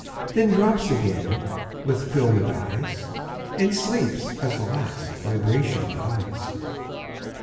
Then drops again with fdmed eyes, And sleeps as the last vibration dies.